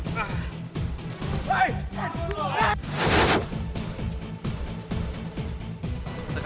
mau lari kemana lagi kau